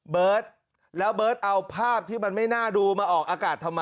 เบิร์ตแล้วเบิร์ตเอาภาพที่มันไม่น่าดูมาออกอากาศทำไม